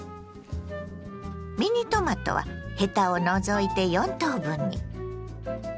ミニトマトはヘタを除いて４等分に。